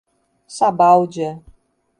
Sabáudia